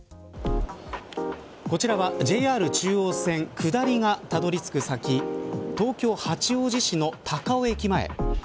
こちらは、ＪＲ中央線下りがたどり着く先東京、八王子市の高尾駅前。